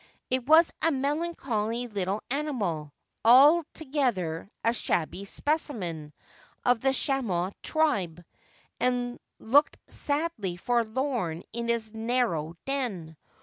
He was a melancholy little animal, altogether a shabby specimen of the chamois tribe, and looked sadly forlorn in his narrow den.